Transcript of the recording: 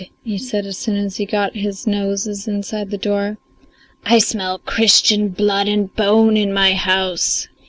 he said as soon as he got his noses inside the door. "I smell Christian blood and bone in my house."